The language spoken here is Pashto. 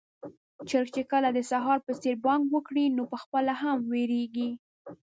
چرګ چې کله د سهار په څېر بانګ وکړي، نو پخپله هم وېريږي.